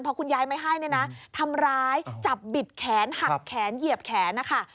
พอคุณยายไม่ให้เนี่ยนะทำร้ายจับบิดแขนหักแขนเหยียบแขนนะคะ